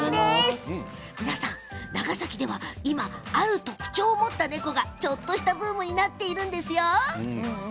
皆さん長崎では今、ある特徴を持った猫がちょっとしたブームになっているんですよ。